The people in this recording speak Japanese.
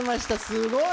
すごい！